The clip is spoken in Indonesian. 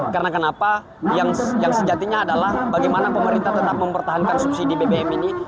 karena kenapa yang sejatinya adalah bagaimana pemerintah tetap mempertahankan subsidi bbm ini